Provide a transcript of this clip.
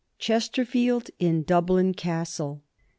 CHBSTEBFIELD IN DUBLIN CASTLB.